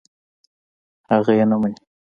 اگه يې نه مني.